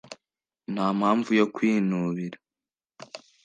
Ntampamvu yo kwinubira